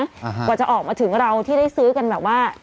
อ่าฮะกว่าจะออกมาถึงเราที่ได้ซื้อกันแบบว่า